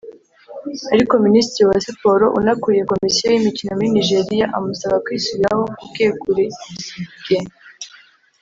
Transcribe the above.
ariko Minisitiri wa Siporo unakuriye komisiyo y’imikino muri Nigeria amusaba kwisubiraho ku bwegure bwe